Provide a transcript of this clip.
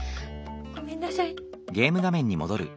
ごめんなさい。